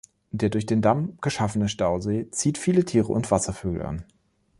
Der durch den Damm geschaffene Stausee zieht viele Tiere und Wasservögel an.